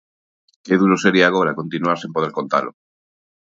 Que duro sería agora continuar sen poder contalo.